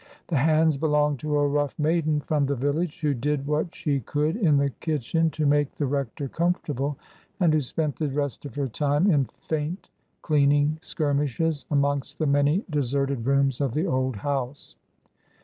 The hands belonged to a rough maiden from the village, who did what she could in the i kitchen to make the rector comfortable, and who spent the rest of her time in faint cleaning skirmishes amongst the many deserted rooms of the old house.